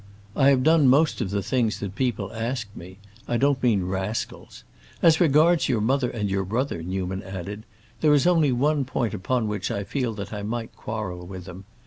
I have done most of the things that people asked me—I don't mean rascals. As regards your mother and your brother," Newman added, "there is only one point upon which I feel that I might quarrel with them.